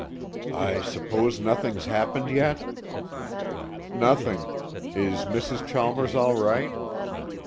"I suppose nothing's happened yet?" "Nothing. Is Mrs. Chalmers all right?"